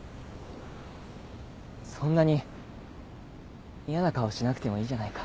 そんなに嫌な顔しなくてもいいじゃないか。